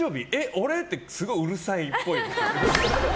俺？ってすごいうるさいっぽい。